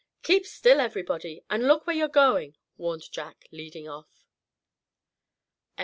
"Keep still, everybody, and look where you're going," warned Jack, leading off.